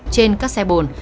trên các xe bồn